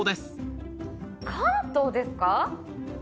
関東です